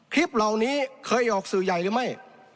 คลิปเหล่านี้เคยออกสื่อใหญ่หรือไม่